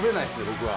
僕は。